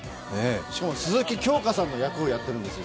しかも、鈴木京香さんの役をやっているんですよ。